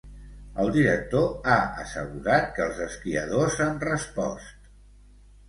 El director ha assegurat que els esquiadors han respost.